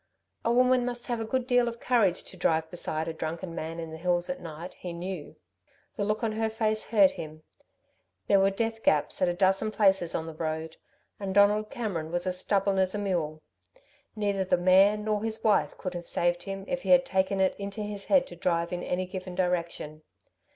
A woman must have a good deal of courage to drive beside a drunken man in the hills at night, he knew. The look on her face hurt him. There were death gaps at a dozen places on the road; and Donald Cameron was as stubborn as a mule. Neither the mare, nor his wife, could have saved him if he had taken it into his head to drive in any given direction.